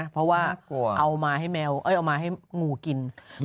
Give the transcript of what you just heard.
เพราะว่าเอามาให้งูกิน